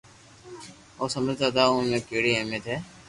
اهو سمجهندا ته ان جي ڪهڙي اهميت آهي،